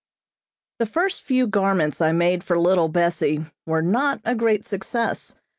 The first few garments I made for Little Bessie were not a great success.